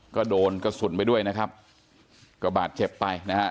ก็โดนกระสุนไปด้วยนะครับก็บาดเจ็บไปนะฮะ